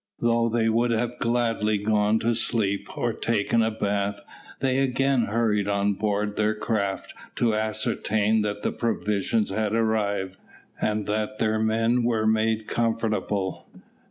Though they would have gladly gone to sleep, or taken a bath, they again hurried on board their craft, to ascertain that the provisions had arrived, and that their men were made comfortable.